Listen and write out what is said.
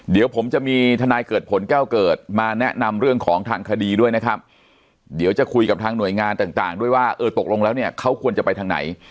เดี๋ยวผมจะมีทนายเกิดผลแก้วเกิดมาแนะนำเรื่องของทางคดีด้วยนะครับเดี๋ยวจะคุยกับทางหน่วยงานต่างด้วยว่าเออตกลงแล้วเนี่ยเขาควรจะไปทางไหน